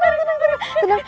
tenang tenang tenang